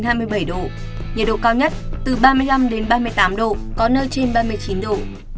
nhiệt độ cao nhất từ ba mươi năm đến ba mươi tám độ có nơi trên ba mươi chín độ